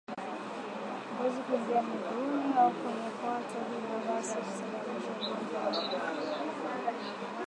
ngozi kuingia miguuni au kwenye kwato hivyo basi kusababisha ugonjwa huu